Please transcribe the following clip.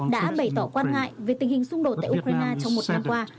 đã bày tỏ quan ngại về tình hình xung đột tại ukraine trong một năm qua